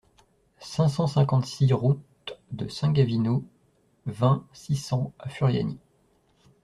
cinq cent cinquante-six route de San Gavino, vingt, six cents à Furiani